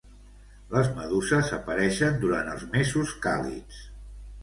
Les meduses apareixen durant els mesos càlids.